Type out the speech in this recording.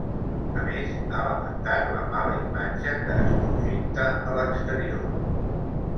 A més, ha lamentat la ‘mala imatge que es projecta’ a l’exterior.